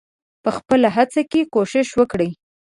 په خپله هڅه کې کوښښ وکړئ.